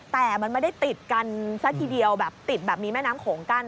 แต่มันไม่ได้ติดกันซะทีเดียวแบบติดแบบมีแม่น้ำโขงกั้น